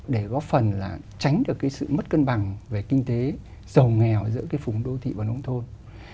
để góp phần là tránh được cái sự mất cân bằng về kinh tế giàu nghèo giữa cái vùng đô thị và nông thôn